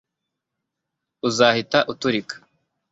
uzahita uturika